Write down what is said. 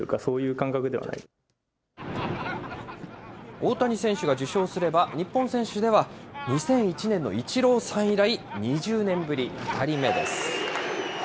大谷選手が受賞すれば、日本選手では、２００１年のイチローさん以来２０年ぶり、２人目です。